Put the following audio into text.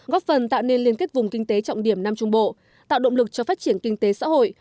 góp phần tạo nên liên kết vùng kinh tế trọng điểm nam trung bộ tạo động lực cho phát triển kinh tế xã hội